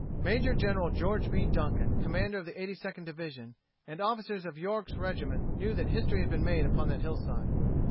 Major General George B. Duncan, commander of the Eighty Second Division, and officers of York's regiment knew that history had been made upon that hillside.